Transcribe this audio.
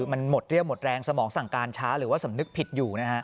มันหมดเรี่ยวหมดแรงสมองสั่งการช้าหรือว่าสำนึกผิดอยู่นะฮะ